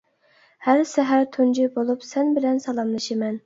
ھەر سەھەر تۇنجى بولۇپ سەن بىلەن سالاملىشىمەن.